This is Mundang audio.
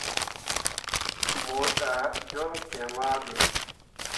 Mo ɗah goŋ kyaŋ ah ɓe.